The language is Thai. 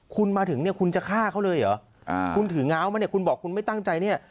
คุณมาถึงเนี่ยคุณจะฆ่าเขาเลยเหรอคุณถือง้าวมาเนี่ยคุณบอกคุณไม่ตั้งใจเนี่ย